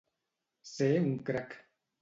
Ser un crac.